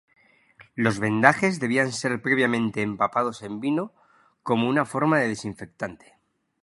Los vendajes debían ser previamente empapados en vino como una forma de desinfectante.